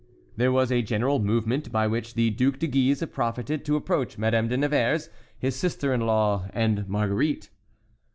There was a general movement, by which the Duc de Guise profited to approach Madame de Nevers, his sister in law, and Marguerite.